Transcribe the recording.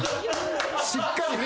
しっかりね